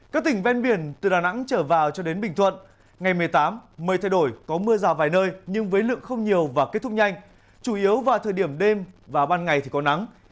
các tỉnh ven biển từ đà nẵng trở vào cho đến bình thuận ngày một mươi tám mây thay đổi có mưa rào vài nơi nhưng với lượng không nhiều và kết thúc nhanh chủ yếu vào thời điểm đêm và ban ngày thì có nắng